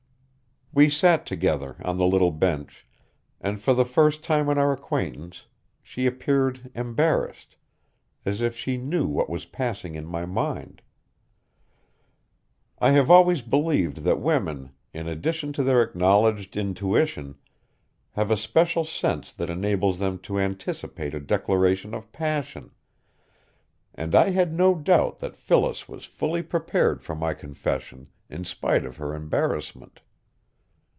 We sat together on the little bench, and for the first time in our acquaintance she appeared embarrassed, as if she knew what was passing in my mind. I have always believed that women, in addition to their acknowledged intuition, have a special sense that enables them to anticipate a declaration of passion, and I had no doubt that Phyllis was fully prepared for my confession in spite of her embarrassment.